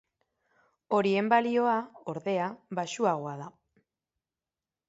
Horien balioa, ordea, baxuagoa da.